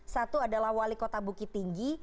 satu adalah wali kota bukit tinggi